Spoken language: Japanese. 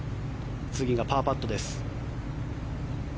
次がパーパットです。